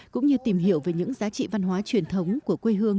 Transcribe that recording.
cũng như tìm hiểu về những giá trị văn hóa truyền thống của quê hương